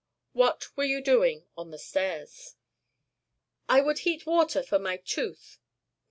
"What were you doing on the stairs?" "I would heat water for my tooth."